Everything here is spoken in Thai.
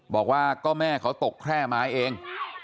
บอกว่าก็แม่เขาตกแคร่ไม้เอง